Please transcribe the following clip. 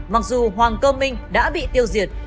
mặc dù hoàng cơ minh đã bị tiêu diệt